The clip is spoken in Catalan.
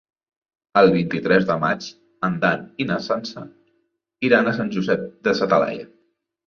El vint-i-tres de maig en Dan i na Sança iran a Sant Josep de sa Talaia.